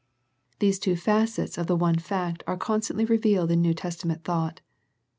These two facets of the one fact are con stantly revealed in New Testament thought.